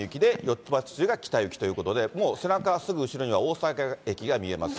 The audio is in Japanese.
つばし筋が北行きということで、もう背中すぐ後ろには、大阪駅が見えます。